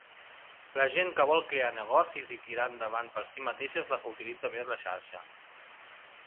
La gent que vol crear negocis i tirar endavant per si mateixa és la que utilitza més la xarxa.